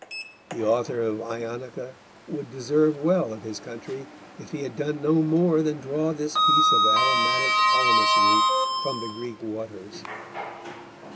The author of Ionica would deserve well of his country if he had done no more than draw this piece of aromatic calamus root from the Greek waters.